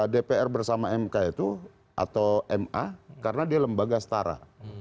dpr bersama mk itu atau ma karena dia lembaga setara